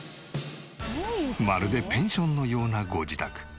まるでペンションのようなご自宅。